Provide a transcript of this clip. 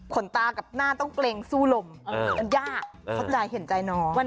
ตากับหน้าต้องเกรงสู้ลมมันยากเข้าใจเห็นใจน้อง